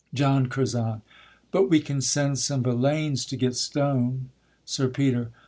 JOHN CURZON. But we can send some villaynes to get stone. SIR PETER.